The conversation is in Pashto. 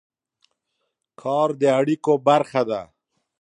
کار د اړیکو برخه ده.